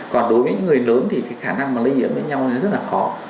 còn đối với những người lớn thì khả năng lây nhiễm với nhau rất là khó